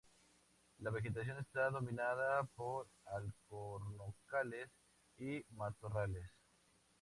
La vegetación está dominada por alcornocales y matorrales.